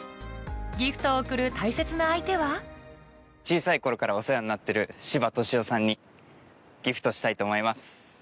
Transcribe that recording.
ギフトを贈る大切な相手は小さい頃からお世話になってる柴俊夫さんにギフトしたいと思います。